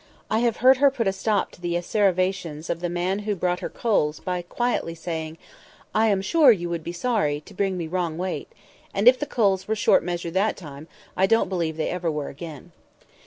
I have heard her put a stop to the asseverations of the man who brought her coals by quietly saying, "I am sure you would be sorry to bring me wrong weight;" and if the coals were short measure that time, I don't believe they ever were again.